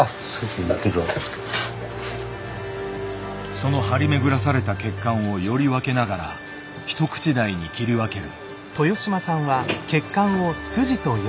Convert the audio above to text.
その張り巡らされた血管をより分けながら一口大に切り分ける。